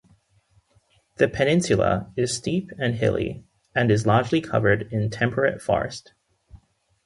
The peninsula is steep and hilly, and is largely covered in temperate rainforest.